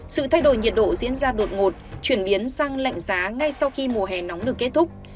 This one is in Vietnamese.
sự thay đổi nhiệt độ diễn ra đột ngột chuyển biến sang lạnh giá ngay sau khi mùa hè nóng được kết thúc